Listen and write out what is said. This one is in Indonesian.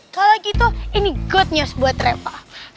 kalau gitu ini good news buat travel